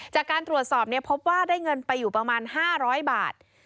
จากการตรวจสอบพบว่าได้เงินไปอยู่ประมาณ๕๐๐บาท